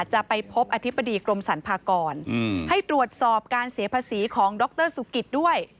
จะไปพบอธิบดีกรมสรรพากรให้ตรวจสอบการเสียภาษีของดรสุกิตด้วย